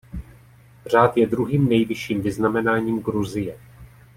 Řád je druhým nejvyšším vyznamenáním Gruzie.